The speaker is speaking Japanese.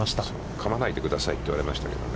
「かまないでください」って言われましたけどね。